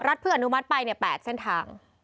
รัฐเพื่อนอุมัติไปเนี่ย๘เส้นทาง